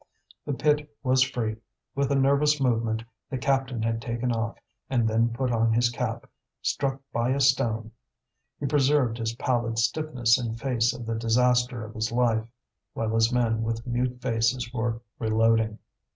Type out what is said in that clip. The pit was free. With a nervous movement the captain had taken off and then put on his cap, struck by a stone; he preserved his pallid stiffness in face of the disaster of his life, while his men with mute faces were reloading.